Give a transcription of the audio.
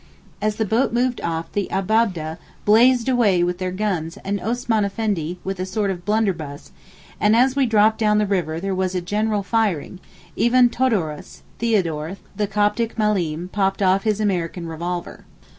As the boat moved off the Abab'deh blazed away with their guns and Osman Effendi with a sort of blunderbuss, and as we dropped down the river there was a general firing; even Todoros (Theodore), the Coptic Mallim, popped off his American revolver.